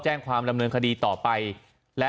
ขอบคุณครับ